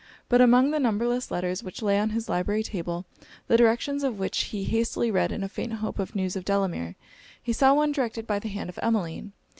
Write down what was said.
But among the numberless letters which lay on his library table, the directions of which he hastily read in a faint hope of news of Delamere, he saw one directed by the hand of Emmeline.